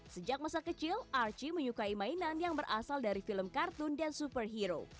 sejak masa kecil archi menyukai mainan yang berasal dari film kartun dan superhero